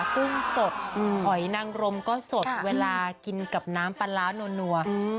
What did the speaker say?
กุ้งสดหอยนังรมก็สดเวลากินกับน้ำปลาร้านัว